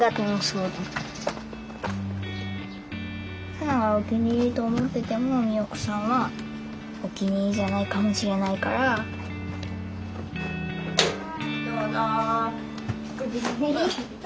サナがお気に入りと思ってても美代子さんはお気に入りじゃないかもしれないからはいどうぞ。